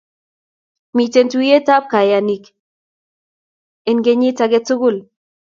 Miten tuyet ab kanyaiki en kenyit akketugul